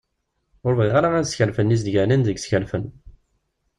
Ur bɣiɣ ara ad skerfen izeddganen deg yiskerfen.